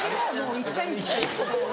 行きたい。